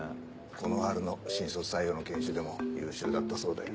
この春の新卒採用の研修でも優秀だったそうだよ。